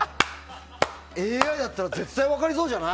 ＡＩだったら絶対分かりそうじゃない？